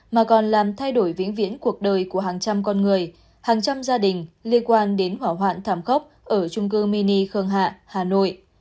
mà còn làm thay đổi vĩnh viễn cuộc đời của hàng trăm con người hàng trăm gia đình liên quan đến hỏa hoạn thảm khốc ở trung cư mini khương hạ hà nội